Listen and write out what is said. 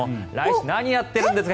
何やってるんですか？